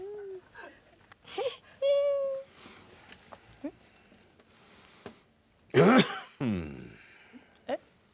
うん？えっ？